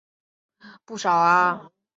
听说隔壁庄那个人赚了不少啊